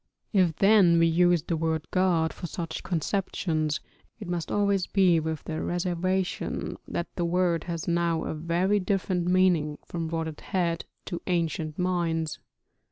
If then we use the word god for such conceptions, it must always be with the reservation that the word has now a very different meaning from what it had to ancient minds.